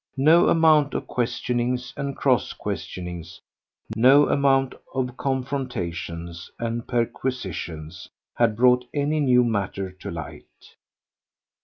No amount of questionings and cross questionings, no amount of confrontations and perquisitions, had brought any new matter to light.